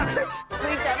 スイちゃん